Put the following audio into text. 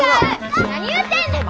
何言うてんねん！